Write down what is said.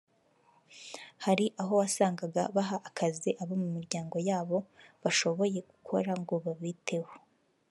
Hari aho wasangaga baha akazi abo mu miryango yabo bashoboye gukora ngo babiteho